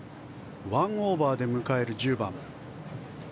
１オーバーで迎える１０番。